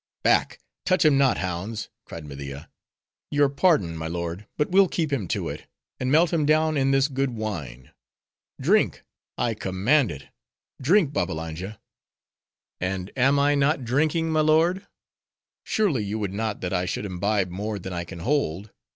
"Back! touch him not, hounds!"—cried Media. "Your pardon, my lord, but we'll keep him to it; and melt him down in this good wine. Drink! I command it, drink, Babbalanja!" "And am I not drinking, my lord? Surely you would not that I should imbibe more than I can hold.